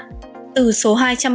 từ số hai trăm ba mươi một